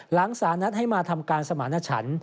หลังศาลนัดให้มาทำการสมรรณชัน